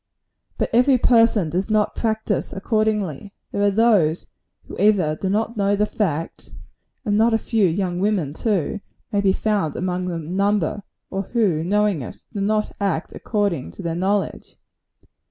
But every person does not practise accordingly. There are those who either do not know the fact and not a few young women, too; may be found among the number or who, knowing it, do not act according to their knowledge.